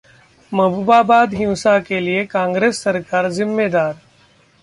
'महबूबाबाद हिंसा के लिए कांग्रेस सरकार जिम्मेदार'